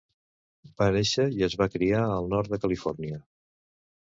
Va néixer i es va criar al nord de Califòrnia.